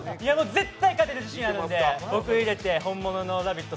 絶対勝てる自信があるので、僕入れて本物のラヴィット！